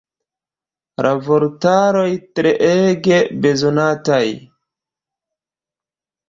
La vortaroj treege bezonataj.